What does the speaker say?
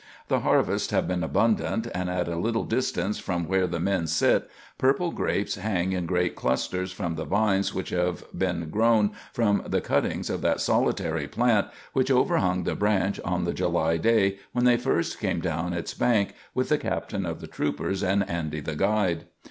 The harvests have been abundant, and at a little distance from where the men sit purple grapes hang in great clusters from the vines which have been grown from cuttings of that solitary plant which overhung the branch on the July day when they first came down its bank with the captain of the troopers and Andy the guide.